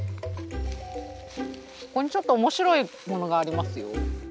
ここにちょっと面白いものがありますよ。